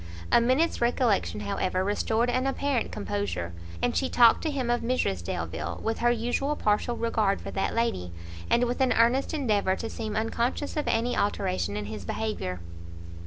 A minute's recollection, however, restored an apparent composure, and she talked to him of Mrs Delvile, with her usual partial regard for that lady, and with an earnest endeavour to seem unconscious of any alteration in his behaviour.